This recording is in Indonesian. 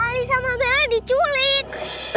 ali sama bella diculik